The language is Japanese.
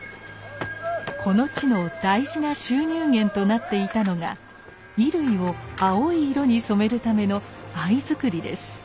この地の大事な収入源となっていたのが衣類を青い色に染めるための藍作りです。